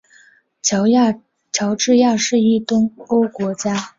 乔治亚是一东欧国家。